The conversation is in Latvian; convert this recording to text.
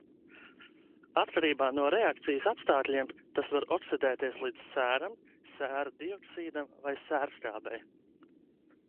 Atkarībā no reakcijas apstākļiem, tas var oksidēties līdz sēram, sēra dioksīdam vai sērskābei.